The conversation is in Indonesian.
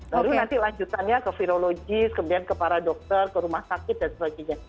baru nanti lanjutannya ke virologis kemudian ke para dokter ke rumah sakit dan sebagainya